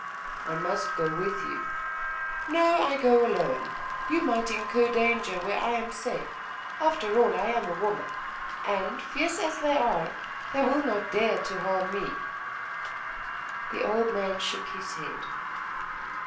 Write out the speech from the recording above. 'I must go with you.' 'No, I go alone. You might incur danger where I am safe. After all, I am a woman.... And, fierce as they are, they will not dare to harm me.' The old man shook his head.